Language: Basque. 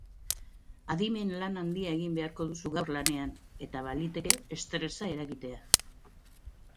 Adimen lan handia egin beharko duzu gaur lanean, eta baliteke estresa eragitea.